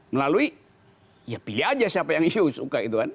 melalui ya pilih aja siapa yang you suka gitu kan